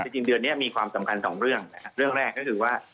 จริงเดือนนี้มีความสำคัญ๒เรื่องนะฮะ